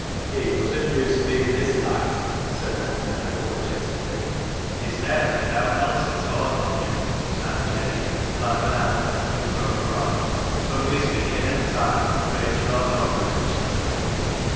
" He doesn't use be'en this lat !" said Long Ben apologetically. " He's ne'er bin nowt else sin' Aw knowed him," snapped Jabe, glad of an outlet for his growing wrath, " but we'st begin at toime, preicher or no preicher."